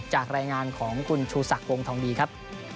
จากรายงานของคุณชูศักดิ์วงทองดีครับ